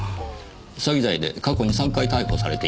詐欺罪で過去に３回逮捕されていますねぇ。